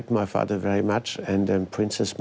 เป็นธุรกิจที่สงสัย